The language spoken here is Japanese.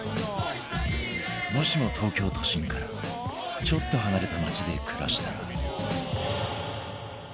もしも東京都心からちょっと離れた街で暮らしたら